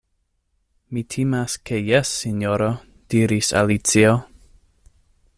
"Mi timas ke jes, Sinjoro," diris Alicio.